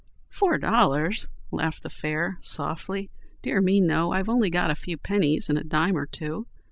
"Four dollars!" laughed the fare, softly, "dear me, no. I've only got a few pennies and a dime or two."